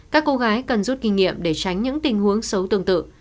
các cô gái cần rút kinh nghiệm để tránh những tình huống xấu tương tự